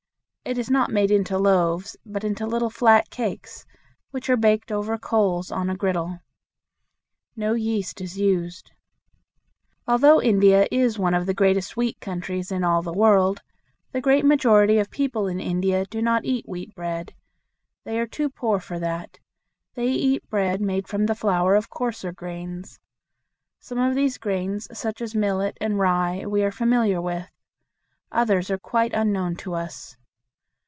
It is not made into loaves, but into little flat cakes, which are baked over coals on a griddle. No yeast is used. Although India is one of the greatest wheat countries in all the world, the great majority of people in India do not eat wheat bread. They are too poor for that. They eat bread made from the flour of coarser grains. Some of these grains, such as millet and rye, we are familiar with; others are quite unknown to us.